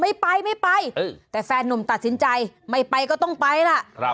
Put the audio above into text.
ไม่ไปไม่ไปแต่แฟนหนุ่มตัดสินใจไม่ไปก็ต้องไปล่ะ